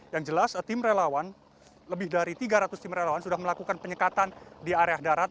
yang jelas tim relawan lebih dari tiga ratus tim relawan sudah melakukan penyekatan di area darat